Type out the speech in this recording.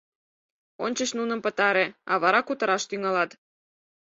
— Ончыч нуным пытаре, а вара кутыраш тӱҥалат!